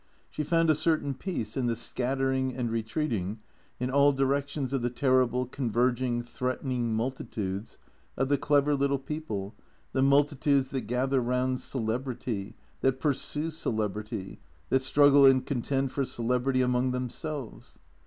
She found a certain peace in the scattering and retreat ing in all directions of the terrible, converging, threatening multitudes of the clever little people, the multitudes that gather round celebrity, that pursue celebrity, that struggle and con tend for celebrity among themselves.